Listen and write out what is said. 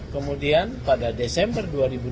kemudian pada desember dua ribu dua puluh